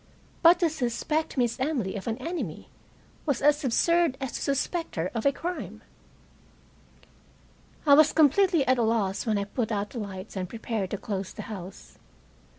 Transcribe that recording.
But to suspect Miss Emily of an enemy was as absurd as to suspect her of a crime. I was completely at a loss when I put out the lights and prepared to close the house.